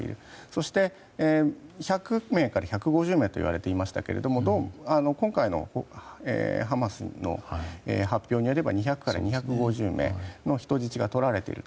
そして、１００名から１５０名といわれていましたが今回のハマスの発表によれば２００から２５０名の人質がとられていると。